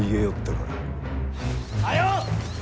早う！